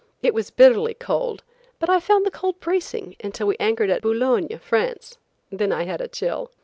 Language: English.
It was bitterly cold, but I found the cold bracing until we anchored at Boulogne, France. Then I had a chill.